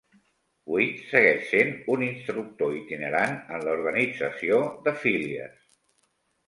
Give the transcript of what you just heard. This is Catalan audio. Whitt segueix sent un instructor itinerant en la organització de Phillies.